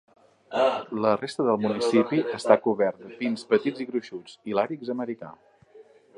La resta del municipi està cobert de pins petits i gruixuts, i làrix americà.